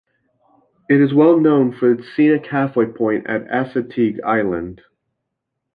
It is well known for its scenic halfway point at Assateague Island.